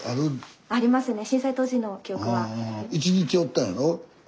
１日おったんやろ？